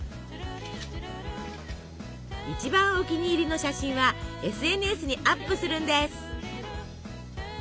一番お気に入りの写真はＳＮＳにアップするんです！